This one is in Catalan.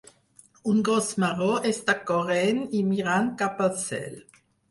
Un gos marró està corrent i mirant cap al cel.